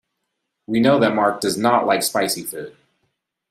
We know that Mark does not like spicy food.